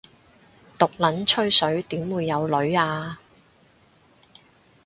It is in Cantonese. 毒撚吹水點會有女吖